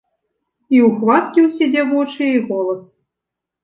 І ўхваткі ўсе дзявочыя, й голас.